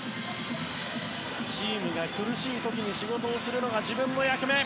チームが苦しい時に仕事をするのが自分の役目。